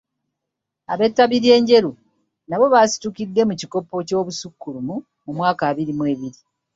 Ab'ettabi ly'e Njeru nabo baasitukidde mu kikopo ky'obusukkulumu mu mwaka bbiri abiri.